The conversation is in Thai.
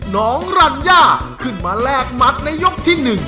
น้องรัญญาขึ้นมาแลกหมัดในยกที่๑